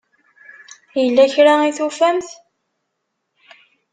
Yella kra i tufamt?